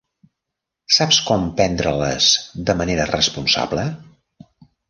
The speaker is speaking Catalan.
Saps com prendre-les de manera responsable?